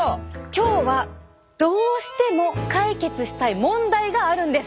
今日はどうしても解決したい問題があるんです。